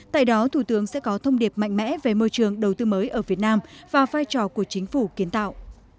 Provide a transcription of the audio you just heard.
tại đó thủ tướng sẽ có thông điệp mạnh mẽ về môi trường đầu tư mới ở việt nam và vai trò của chính phủ kiến tạo